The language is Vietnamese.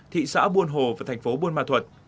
thị xã buôn hồ và thành phố buôn ma thuật